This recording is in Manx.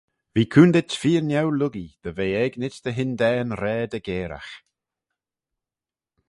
V'eh coontit feer neu-luckee dy ve eginit dy hyndaa yn raad aggairagh.